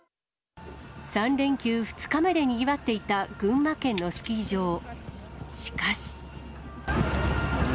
３連休２日目でにぎわっていた群馬県のスキー場。